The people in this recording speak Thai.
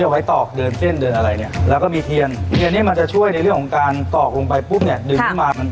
ก็คือมีกเป็นมีกเฉพาะที่เอาไว้สำหรับแกะหนัง